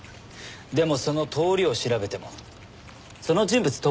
でもその通りを調べてもその人物特定出来ます？